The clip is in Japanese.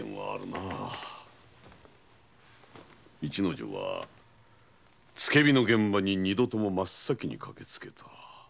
市之丞は付け火の現場に二度とも真っ先に駆けつけた。